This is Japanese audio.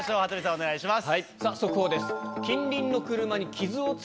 お願いします。